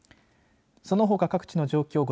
そのほか各地の状況